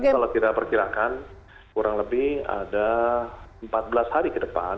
kalau kita perkirakan kurang lebih ada empat belas hari ke depan